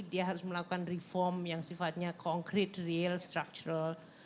dia harus melakukan reform yang sifatnya concrete real structural